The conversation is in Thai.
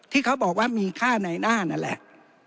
ที่เขาบอกว่ามีค่าในหน้านั่นแหละ